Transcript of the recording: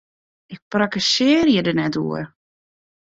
Ik prakkesearje der net oer!